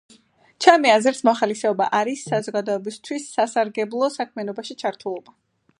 ჩემი აზრით, მოხალისეობა არის საზოგადოებისთვის სასარგებლო საქმიანობაში ჩართულობა.